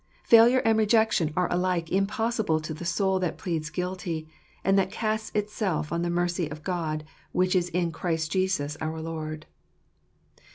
Failure and rejection are alike impossible to the soul that pleads guilty, and that casts itself on the mercy of God which is in Jesus Christ our Lord.